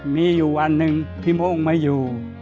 มีอยู่วันทึ่งพี่โม่งมายู่